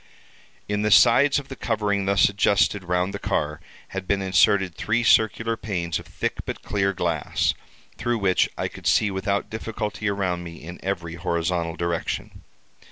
"In the sides of the covering thus adjusted round the car, had been inserted three circular panes of thick but clear glass, through which I could see without difficulty around me in every horizontal direction.